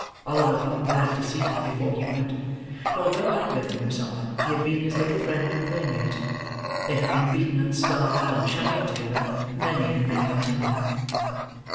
Oliver felt glad to see him, before he went; for, though younger than himself, he had been his little friend and playmate. They had been beaten, and starved, and shut up together, many and many a time.